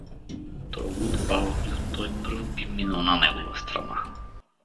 — Тоя луд Балдю, той пръв би минал на негова страна тогава!